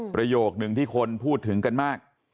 ประโยคนึงที่คนพูดถึงกันมาก